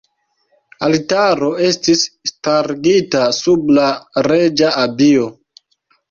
Altaro estis starigita sub la reĝa abio.